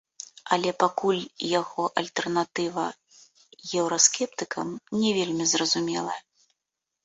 Але пакуль яго альтэрнатыва еўраскептыкам не вельмі зразумелая.